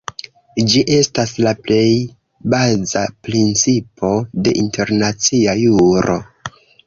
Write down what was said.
Ĝi estas la plej baza principo de internacia juro.